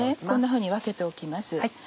こんなふうに分けておきます。